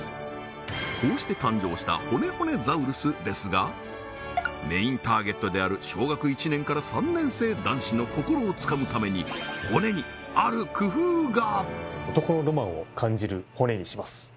こうして誕生したほねほねザウルスですがメインターゲットである小学１年から３年生男子の心をつかむためにほねにある工夫がにします